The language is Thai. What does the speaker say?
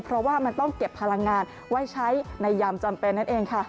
เพราะว่ามันต้องเก็บพลังงานไว้ใช้ในยามจำเป็นนั่นเองค่ะ